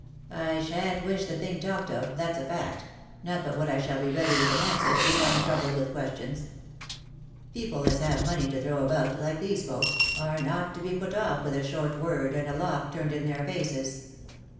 I sha'n't wish the thing talked of, that's a fact, not but what I shall be ready with an answer, if I'm troubled with questions. People as have money to throw about, like these folks, are not to be put off with a short word, and a lock turned in their faces.